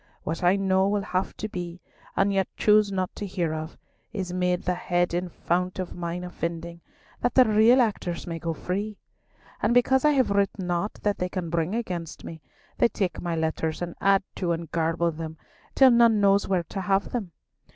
What I know will have to be, and yet choose not to hear of, is made the head and front of mine offending, that the real actors may go free! And because I have writ naught that they can bring against me, they take my letters and add to and garble them, till none knows where to have them.